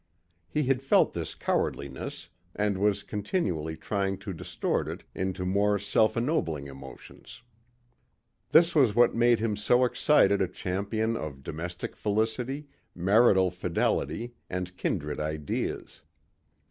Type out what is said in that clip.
He had felt this cowardliness and was continually trying to distort it into more self ennobling emotions. This was what made him so excited a champion of domestic felicity, marital fidelity and kindred ideas.